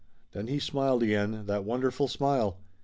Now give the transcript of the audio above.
Then he smiled again, that wonderful smile.